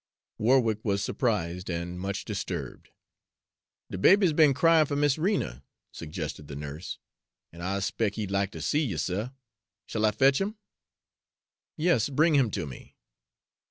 Warwick was surprised and much disturbed. "De baby 's be'n cryin' for Miss Rena," suggested the nurse, "an' I s'pec' he'd like to see you, suh. Shall I fetch 'im?" "Yes, bring him to me."